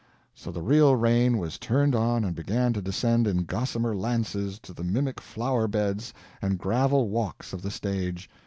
So the real rain was turned on and began to descend in gossamer lances to the mimic flower beds and gravel walks of the stage.